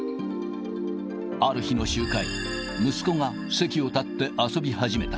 ある日の集会、息子が席を立って遊び始めた。